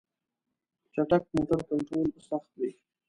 چټک موټر کنټرول سخت وي.